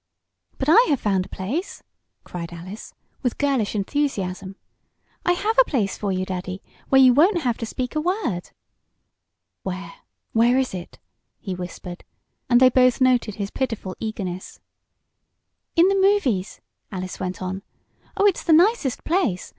"But I have found a place!" cried Alice, with girlish enthusiasm. "I have a place for you Daddy, where you won't have to speak a word." "Where where is it?" he whispered, and they both noted his pitiful eagerness. "In the movies!" Alice went on. "Oh, it's the nicest place!